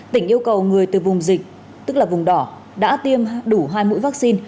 tỉnh yêu cầu người từ vùng dịch tức là vùng đỏ đã tiêm đủ hai mũi vaccine